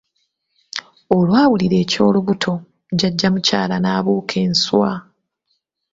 Olwawulira eky'olubuto, jjajja mukyala n'abuuka enswa!